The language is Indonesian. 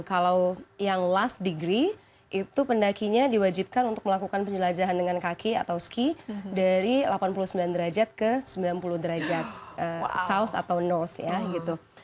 kalau yang last degree itu pendakinya diwajibkan untuk melakukan penjelajahan dengan kaki atau ski dari delapan puluh sembilan derajat ke sembilan puluh derajat south atau north ya gitu